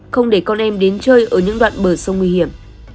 không để con em đến chơi ở những đoạn bờ sông nguy hiểm